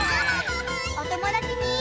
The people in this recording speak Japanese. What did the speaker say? おともだちに。